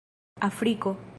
afriko